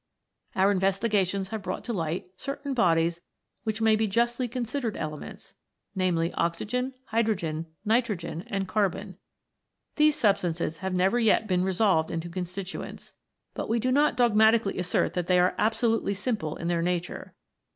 Our investigations have brought to light certain bodies which may be justly considered elements, namely oxygen, hydrogen, nitrogen, and carbon. These substances have never yet been resolved into constituents, but we do not dogmatically assert that they are absolutely simple in their nature.